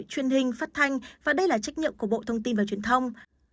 truyền hình phát thanh và đây là trách nhiệm của bộ thông tin và truyền thông